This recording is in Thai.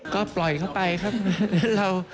ก็ปล่อยเข้าไปครับ